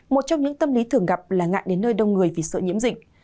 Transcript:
một trong những tâm lý thường gặp là ngại đến nơi đông người vì sợ nhiễm dịch